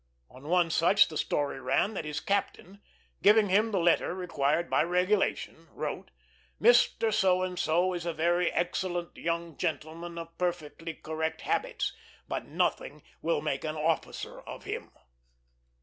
Of one such the story ran that his captain, giving him the letter required by regulation, wrote, "Mr. So and So is a very excellent young gentleman, of perfectly correct habits, but nothing will make an officer of him."